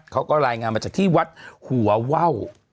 เขาก็รายงานมาจากที่วัดหัวว่าว